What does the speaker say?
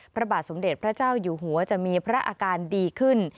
พระบาทสมเด็จพระเจ้าอยู่หัวจะมีพระอาการดีขึ้น